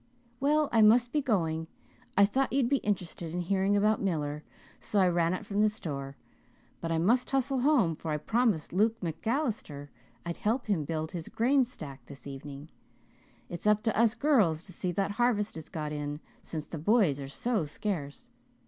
Well, I must be going. I thought you'd be interested in hearing about Miller so I ran up from the store, but I must hustle home for I promised Luke MacAllister I'd help him build his grain stack this evening. It's up to us girls to see that the harvest is got in, since the boys are so scarce.